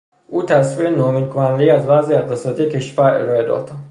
او تصویر نومید کنندهای از وضع اقتصادی کشور ارائه داد.